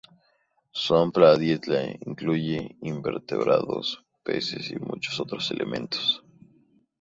Su amplia dieta incluye invertebrados, peces y muchos otros elementos.